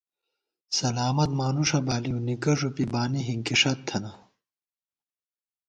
سلامت مانُوݭہ بالِؤ، نِکہ ݫُپی بانی ہِنکِی ݭت تھننہ